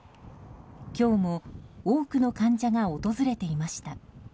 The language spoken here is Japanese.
今日も多くの患者が訪れていました。